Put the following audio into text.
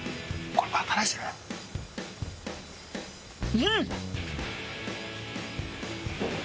うん！